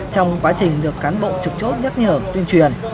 trong quá trình được cán bộ trực chốt nhắc nhở tuyên truyền